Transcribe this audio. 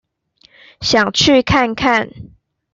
想去看看